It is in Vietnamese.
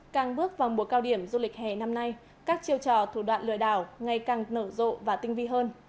càng bước vào mùa cao điểm du lịch hè năm nay các chiêu trò thủ đoạn lừa đảo ngày càng nở rộ và tinh vi hơn